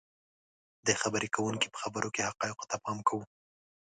. د خبرې کوونکي په خبرو کې حقایقو ته پام کوو